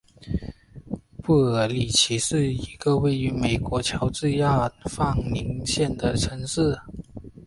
布卢里奇是一个位于美国乔治亚州范宁县的城市。